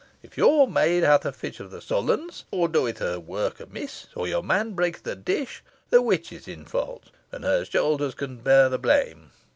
If your maid hath a fit of the sullens, or doeth her work amiss, or your man breaketh a dish, the witch is in fault, and her shoulders can bear the blame.